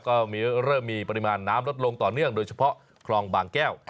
ก็เริ่มมีปริมาณน้ำลดลงต่อเนื่องโดยเฉพาะคลองบางแก้ว